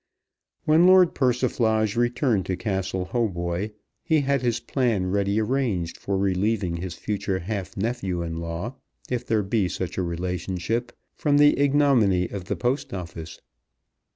When Lord Persiflage returned to Castle Hautboy, he had his plan ready arranged for relieving his future half nephew in law, if there be such a relationship, from the ignominy of the Post Office.